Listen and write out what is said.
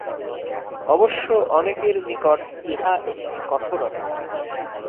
অবশ্য অনেকের নিকট ইহা একটি কঠোরতা।